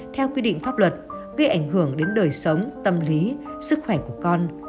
theo quy định pháp luật gây ảnh hưởng đến đời sống tâm lý sức khỏe của con